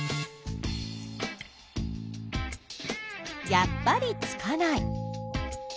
やっぱりつかない。